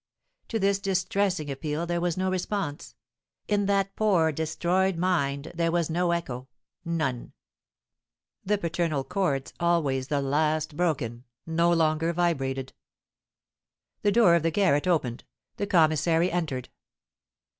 To this distressing appeal there was no response. In that poor, destroyed mind there was no echo, none. The paternal cords, always the last broken, no longer vibrated. The door of the garret opened; the commissary entered.